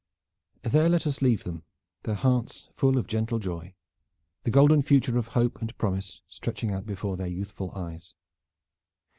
There let us leave them, their hearts full of gentle joy, the golden future of hope and promise stretching out before their youthful eyes.